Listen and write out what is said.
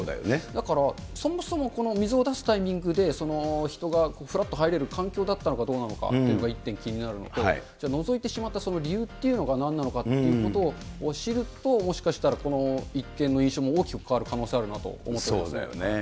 だから、そもそも水を出すタイミングで、人がふらっと入れる環境だったのかどうかというのが１点気になるのと、のぞいてしまったその理由っていうのがなんなのかということを知ると、もしかしたらこの一件の印象も大きく変わる可能性もあるなと思っそうだよね。